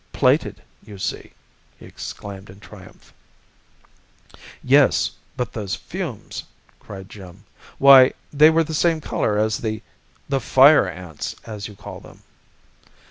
"Plated, you see!" he exclaimed in triumph. "Yes, but those fumes!" cried Jim. "Why, they were the same color as the the Fire Ants, as you call them."